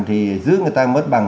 thì giữ người ta mất bằng